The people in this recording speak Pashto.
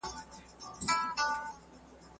زه اوږده وخت د سبا لپاره د نوي لغتونو يادوم..